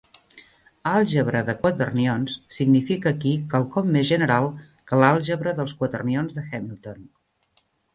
"Àlgebra de quaternions" significa aquí quelcom més general que l'àlgebra dels quaternions de Hamilton.